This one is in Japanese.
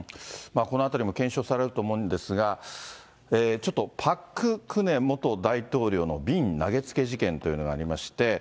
このあたりも検証されると思うんですが、ちょっとパク・クネ元大統領の瓶投げつけ事件というのがありまして。